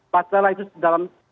bacalah itu dalam